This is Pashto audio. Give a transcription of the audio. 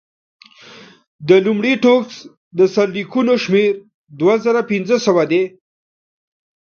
د لومړي ټوک د سرلیکونو شمېر دوه زره پنځه سوه دی.